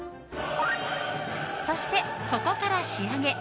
そして、ここから仕上げ。